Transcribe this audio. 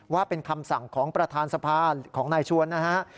ว่าเป็นคำสั่งของประธานสภาของนายชวนนะฮะ